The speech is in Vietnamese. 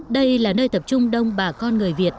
đây là nơi tập trung đông bà con người việt